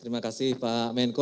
terima kasih pak menko